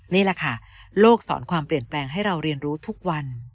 นี่แหละค่ะโลกสอนความเปลี่ยนแปลงให้เราเรียนรู้ทุกวัน